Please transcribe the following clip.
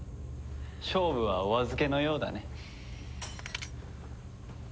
勝負はお預けのようだね。